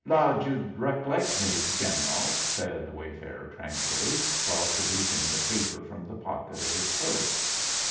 "'Lowed you'd rec'lect me, Gineral," said the wayfarer tranquilly, while producing the paper from the pocket of his coat.